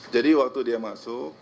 jadi waktu dia masuk